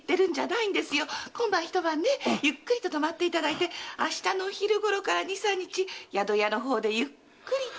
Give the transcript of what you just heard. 今晩一晩ゆっくりと泊まっていただいて明日のお昼ごろから二三日宿屋の方でゆっくりと。